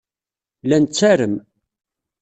La nettarem.